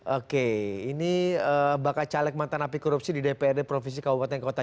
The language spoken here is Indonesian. oke ini bakal caleg mantan api korupsi di dprd provinsi kabupaten kota